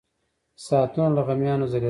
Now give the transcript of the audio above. ساعتونه له غمیانو ځلېدل.